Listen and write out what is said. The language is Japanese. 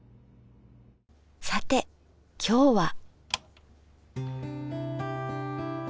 さて今日は。